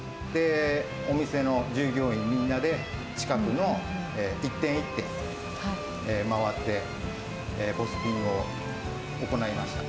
お店の従業員みんなで、近くの一軒一軒回って、ポスティングを行いました。